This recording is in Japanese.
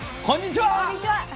こんにちは。